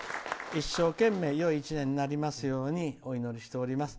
一生懸命よい１年になりますようにお祈りしております。